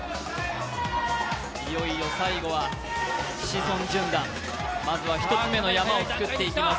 いよいよ最後は志尊淳がまずは１つ目の山を作っていきます。